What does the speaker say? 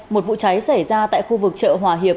một vụ cháy xảy ra tại khu vực chợ hòa hiệp